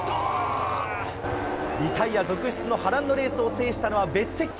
リタイア続出の波乱のレースを制したのは、ベッツェッキ。